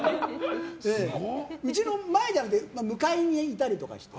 うちの前じゃなくて向かいにいたりとかして。